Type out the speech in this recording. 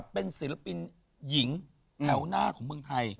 เป็นศิลปินหญิงแถวหน้าของเมืองไทย